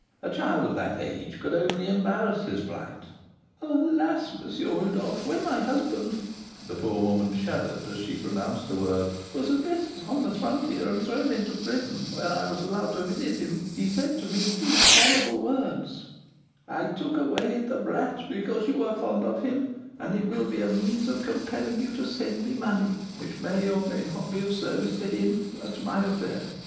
A child of that age could only embarrass his flight." "Alas, M. Rodolph! when my husband" (the poor woman shuddered as she pronounced the word) "was arrested on the frontier and thrown into prison, where I was allowed to visit him, he said to me these horrible words: 'I took away the brat because you were fond of him, and it will be a means of compelling you to send me money, which may or may not be of service to him, that's my affair.